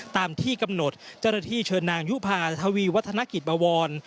ตามที่กำหนดเจ้าหน้าที่เชิญนางยุภาทวีวัฒนกิจบวร